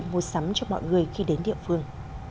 đơn mô sắm cho mọi người khi đến địa phương